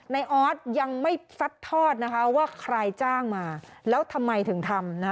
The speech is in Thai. ออสยังไม่ซัดทอดนะคะว่าใครจ้างมาแล้วทำไมถึงทำนะ